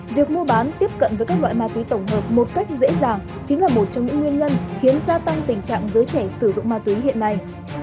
việc mua bán tiếp cận với các loại ma túy tổng hợp một cách dễ dàng chính là một trong những nguyên nhân khiến gia tăng tình trạng giới trẻ sử dụng ma túy hiện nay